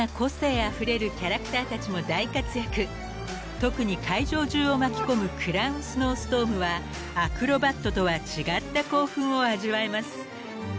［特に会場中を巻き込むクラウン・スノーストームはアクロバットとは違った興奮を味わえます］